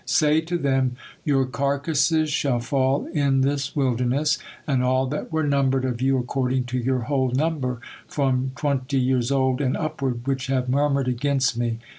Say to them, 'Your carcasses shall fall in this wilderness; and all that were numbered of you, according to your whole number, from twenty years old and upward, which have murmured against Me.